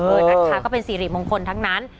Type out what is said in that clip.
เออนะคะก็เป็นสิริมงคลทั้งนั้น